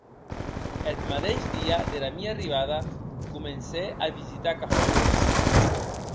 Eth madeish dia dera mia arribada comencè a visitar cafornes.